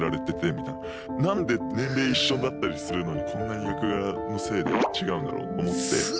何で年齢一緒だったりするのにこんなに役柄のせいで違うんだろうと思って。